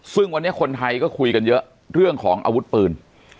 ซึ่งวันนี้คนไทยก็คุยกันเยอะเรื่องของอาวุธปืน